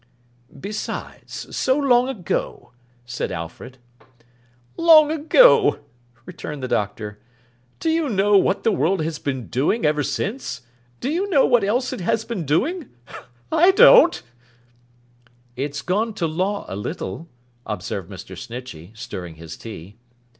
'Besides—so long ago,' said Alfred. 'Long ago!' returned the Doctor. 'Do you know what the world has been doing, ever since? Do you know what else it has been doing? I don't!' 'It has gone to law a little,' observed Mr. Snitchey, stirring his tea.